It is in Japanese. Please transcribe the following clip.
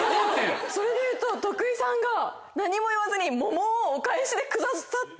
それでいうと徳井さんが何も言わずに桃をお返しでくださって。